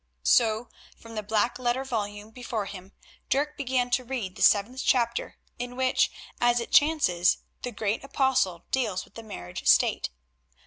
So from the black letter volume before him Dirk began to read the seventh chapter, in which, as it chances, the great Apostle deals with the marriage state.